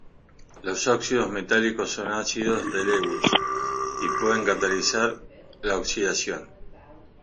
Los óxidos metálicos son ácidos de Lewis y pueden catalizar la oxidación.